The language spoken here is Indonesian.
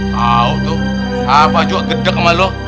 kau tuh apa juga gedeg sama lu